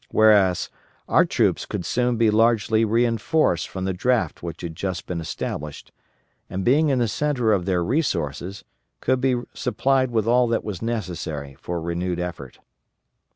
Whereas our troops could soon be largely reinforced from the draft which had just been established, and, being in the centre of their resources, could be supplied with all that was necessary for renewed effort.